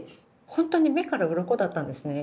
本当に「目から鱗」だったんですね。